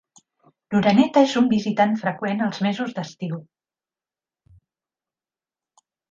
L'oreneta és un visitant freqüent als mesos d'estiu.